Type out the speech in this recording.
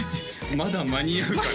まだ間に合うかな？